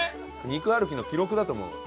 肉歩きの記録だと思うわ。